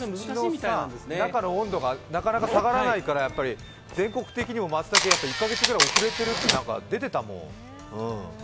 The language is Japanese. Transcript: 土の中の温度がなかなか下がらないから全国的にもまつたけ、１か月ぐらい遅れているって出てたもん。